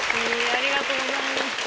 ありがとうございます。